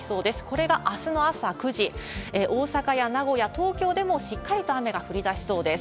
これがあすの朝９時、大阪や名古屋、東京でもしっかりと雨が降りだしそうです。